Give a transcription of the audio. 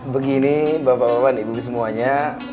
begini bapak bapak dan ibu semuanya